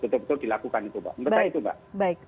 betul betul dilakukan itu mbak